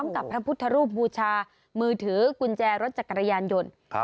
กับพระพุทธรูปบูชามือถือกุญแจรถจักรยานยนต์